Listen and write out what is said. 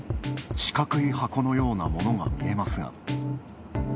四角い箱のようなものが見えますが。